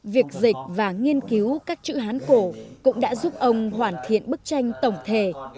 việc dịch và nghiên cứu các chữ hán cổ cũng đã giúp ông hoàn thiện bức tranh tổng thể